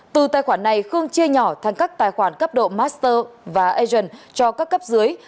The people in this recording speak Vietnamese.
từ tài khoản này khương chia nhỏ thành các tài khoản cấp độ master và asian cho các cấp dưới